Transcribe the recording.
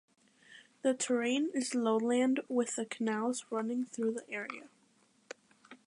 The terrain is lowland with the canals running through the area.